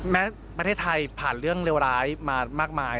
แม้ประเทศไทยผ่านเรื่องเลวร้ายมามากมาย